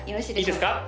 いいですか？